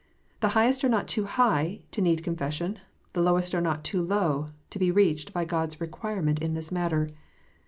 The highest are not too high to need confession ; the lowest are not too low to be reached by God s requirement in this matter.